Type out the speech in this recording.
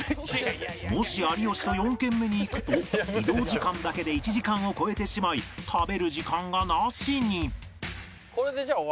もし有吉と４軒目に行くと移動時間だけで１時間を超えてしまい食べる時間がなしに